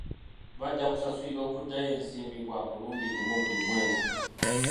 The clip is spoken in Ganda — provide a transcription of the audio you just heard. Bajja kusasulira okuggyayo ensimbi kwa mulundi gumu buli mwezi.